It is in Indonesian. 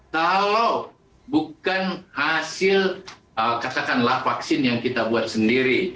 kalau bukan hasil katakanlah vaksin yang kita buat sendiri